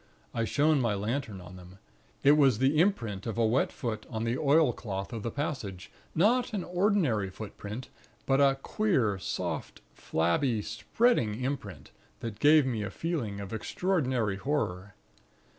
I shone my lantern on them. It was the imprint of a wet foot on the oilcloth of the passage; not an ordinary footprint, but a queer, soft, flabby, spreading imprint, that gave me a feeling of extraordinary horror.